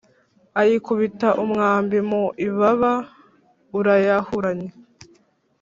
ayikubita umwambi mu ibaba, urayahuranya.